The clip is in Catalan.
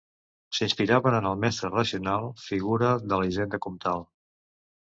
S'inspiraven en el mestre racional, figura de la hisenda comtal.